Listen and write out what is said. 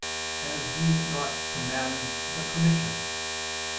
30), as being not commands but permissions.